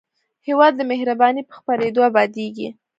هېواد د مهربانۍ په خپرېدو ابادېږي.